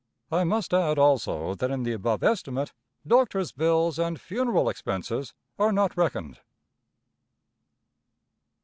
I must add, also, that in the above estimate doctors' bills and funeral expenses are not reckoned.